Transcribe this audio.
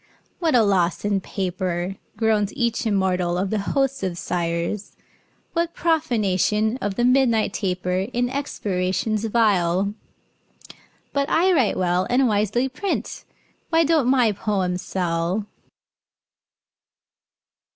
"What a loss in paper," Groans each immortal of the host of sighers! "What profanation of the midnight taper In expirations vile! But I write well, And wisely print. Why don't my poems sell?"